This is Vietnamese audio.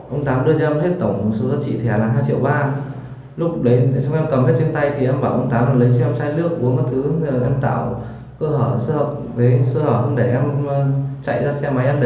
ông tám đưa cho em hết tổng số giá trị thẻ là hai ba triệu lúc đấy sau đó em cầm cái chiếc tay thì em bảo ông tám lấy cho em chai nước uống các thứ em tạo cơ hội sơ hội để em chạy ra xe máy em đè ngay ngoài cửa để em mua một chút